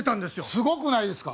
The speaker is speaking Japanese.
すごくないですか？